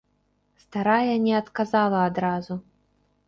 Старая не адказала адразу.